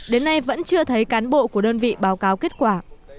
đến nay vẫn chưa thấy cán bộ của đơn vị báo cáo kết quả